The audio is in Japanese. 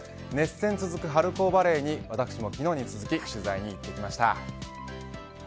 熱戦続く春高バレーに私も昨日に続き取材に行ってきました。